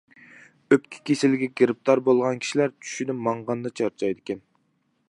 ئۆپكە كېسىلىگە گىرىپتار بولغان كىشىلەر چۈشىدە ماڭغاندا چارچايدىكەن.